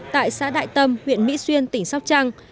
tại xã đại tâm huyện mỹ xuyên tỉnh sóc trăng